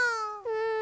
うん。